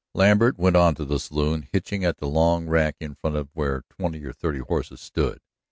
Lambert went on to the saloon, hitching at the long rack in front where twenty or thirty horses stood.